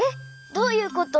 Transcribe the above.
どういうこと？